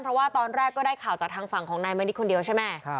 เพราะว่าตอนแรกก็ได้ข่าวจากทางฝั่งของนายมณิชคนเดียวใช่ไหม